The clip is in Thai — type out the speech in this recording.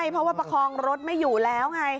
เพราะว่าประคองรถไม่อยู่แล้วไง